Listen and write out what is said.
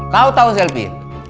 kau tau selvi